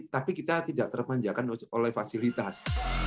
tapi kita tidak termanjakan oleh fasilitas